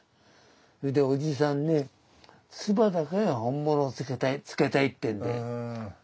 それで「おじさんね鐔だけは本物をつけたい」って言うんだよ。